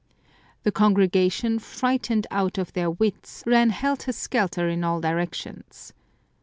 The congregation, frightened out of their wits, ran helter skelter in all directions.